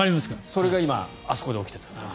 それが今あそこで起きていたと。